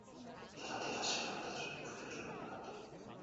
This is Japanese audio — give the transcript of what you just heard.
ただ、手と足はなかった。それに首から上も無かった。